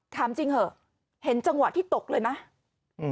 ถามจริงเถอะเห็นจังหวะที่ตกเลยไหม